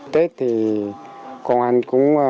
tết thì công an cũng